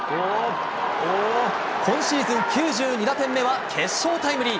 今シーズン９２打点目は決勝タイムリー。